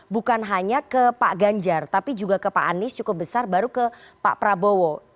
bukan hanya ke pak ganjar tapi juga ke pak anies cukup besar baru ke pak prabowo